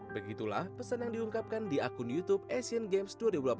begitulah pesan yang diungkapkan di akun youtube asian games dua ribu delapan belas